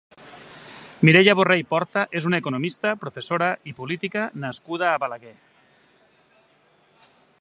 Mireia Borrell Porta és una economista, professora i política nascuda a Balaguer.